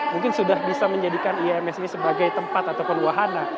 mungkin sudah bisa menjadikan ims ini sebagai tempat ataupun wahana